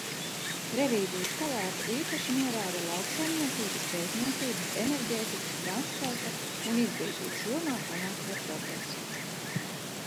Revīzijas palāta īpaši norāda lauksaimniecības, pētniecības, enerģētikas, transporta un izglītības jomā panākto progresu.